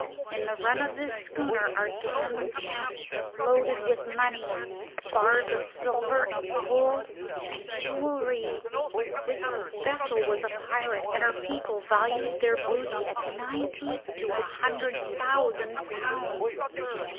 In the run of this schooner are ten chests loaded with money, bars of silver and gold, and jewellery. This vessel was a pirate, and her people valued their booty at ninety to a hundred thousand pounds."